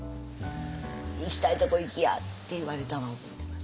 行きたいとこ行きや！」って言われたの覚えてます。